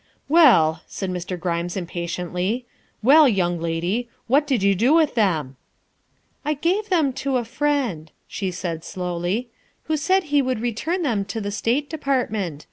" Well," said Mr. Grimes impatiently, " well, young lady, what did you do with them?" " I gave them to a friend," she said slowly, " who said he would return them to the State Department.